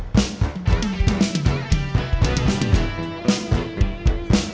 wih terima kasih sobat aktif